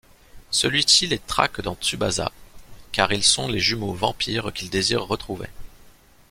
Celui-ci les traque dans Tsubasa, car ils sont les Jumeaux Vampires qu'il désire retrouver.